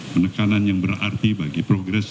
penekanan yang berarti bagi progres